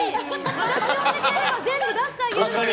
私、呼んでくれれば全部出してあげるのに！